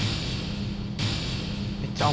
めっちゃ安